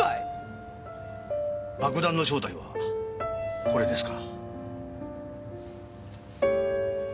爆弾の正体はこれですか。